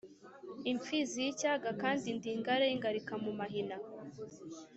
Imfizi y'icyaga kandi ndi ingare y'ingalika mu mahina,